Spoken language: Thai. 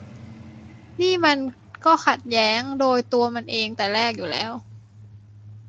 นี่มันก็ขัดแย้งโดยตัวมันเองแต่แรกอยู่แล้ว